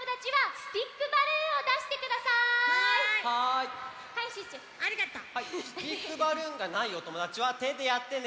スティックバルーンがないおともだちはてでやってね！